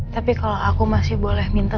tapi kalau aku masih boleh minta